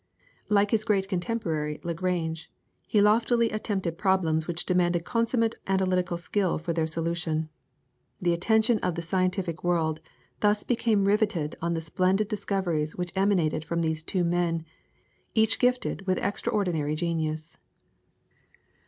Like his great contemporary Lagrange, he loftily attempted problems which demanded consummate analytical skill for their solution. The attention of the scientific world thus became riveted on the splendid discoveries which emanated from these two men, each gifted with extraordinary genius.